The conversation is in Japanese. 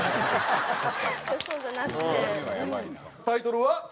タイトルは？